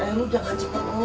eh lo jangan cepet lo